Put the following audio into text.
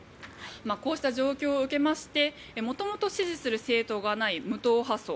こうした状況を受けまして元々支持する政党がない無党派層